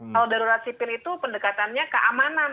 kalau darurat sipil itu pendekatannya keamanan